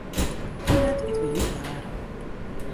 Hoe let ite wy jûn waarm?